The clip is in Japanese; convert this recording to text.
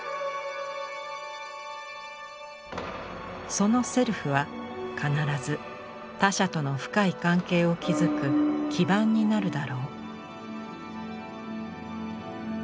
その「セルフ」は必ず他者との深い関係を築く基盤になるだろう。